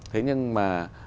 thế nhưng mà